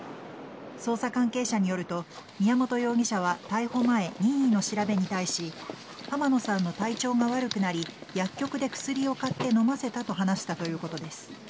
捜査関係者によると宮本容疑者は逮捕前任意の調べに対し濱野さんの体調が悪くなり薬局で薬を買って飲ませたと話したということです。